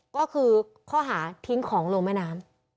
ก็คือข้อหาทิ้งของลงแม่น้ำ